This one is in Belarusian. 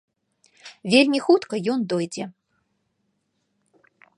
Вельмі хутка ён дойдзе.